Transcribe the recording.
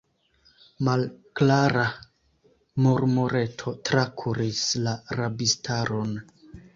Malklara murmureto trakuris la rabistaron.